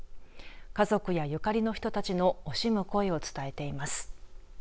家族や、ゆかりの人たちの惜しむ声を伝えています。